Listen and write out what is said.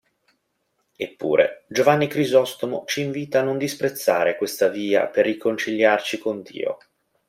Eppure, Giovanni Crisostomo ci invita a non disprezzare questa via per riconciliarci con Dio.